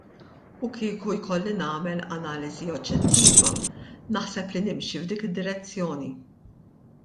U kieku jkolli nagħmel analiżi oġġettiva naħseb li nimxi f'dik id-direzzjoni.